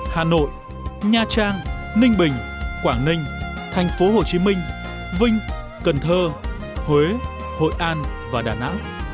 hà nội nha trang ninh bình quảng ninh thành phố hồ chí minh vinh cần thơ huế hội an và đà nẵng